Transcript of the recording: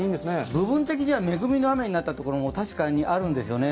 部分的には恵みの雨になったところも確かにあるんですよね。